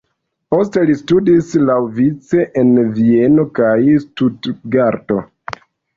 Poste li studis laŭvice en Vieno kaj Stutgarto.